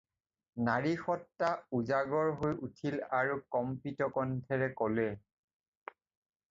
নাৰী সত্তা উজাগৰ হৈ উঠিল আৰু কম্পিত কণ্ঠেৰে ক'লে।